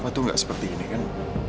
mereka tuh gak seperti ini kan